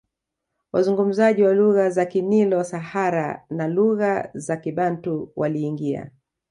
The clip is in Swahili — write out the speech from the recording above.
Wazungumzaji wa lugha za Kinilo Sahara na lugha za Kibantu waliingia